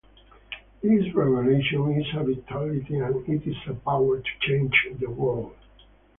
This revelation is a vitality and it is a power to change the worl.